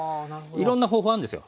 いろんな方法あるんですよ。